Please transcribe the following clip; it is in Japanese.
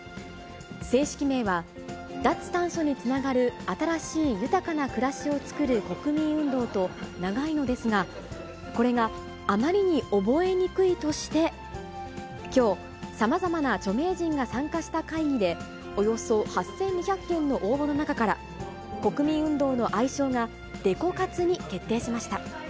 正式名は、脱炭素につながる新しい豊かな暮らしを創る国民運動と長いのですが、これがあまりに覚えにくいとして、きょう、さまざまな著名人が参加した会議で、およそ８２００件の応募の中から、国民運動の愛称がデコ活に決定しました。